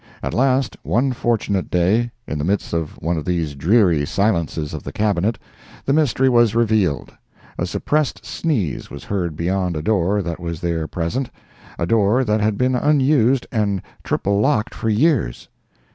At last, one fortunate day, in the midst of one of these dreary silences of the Cabinet, the mystery was revealed; a suppressed sneeze was heard beyond a door that was there present—a door that had been unused and triple locked for years!